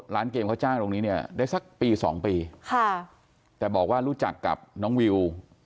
ร้านเกมเขาจ้างตรงนี้เนี่ยได้สักปีสองปีค่ะแต่บอกว่ารู้จักกับน้องวิว